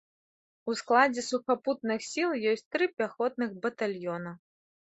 У складзе сухапутных сіл ёсць тры пяхотных батальёна.